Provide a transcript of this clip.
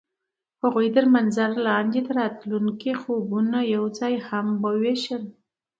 هغوی د منظر لاندې د راتلونکي خوبونه یوځای هم وویشل.